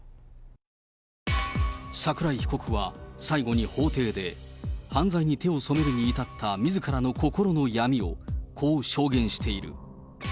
桜井被告は最後に法廷で、犯罪に手を染めるに至ったみずからの心の闇を、こう証言している。